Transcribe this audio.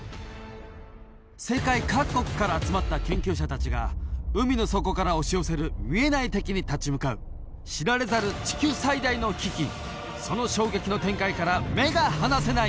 世界各国から集まった研究者たちが海の底から押し寄せる見えない敵に立ち向かう知られざる地球最大の危機その衝撃の展開から目が離せない！